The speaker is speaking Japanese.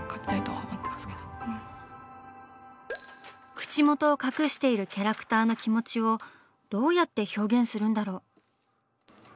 口元を隠しているキャラクターの気持ちをどうやって表現するんだろう？